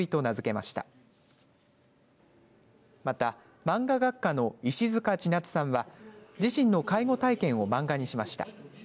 またマンガ学科の石塚千夏さんは自身の介護体験を漫画にしました。